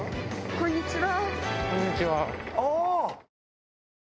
こんにちは。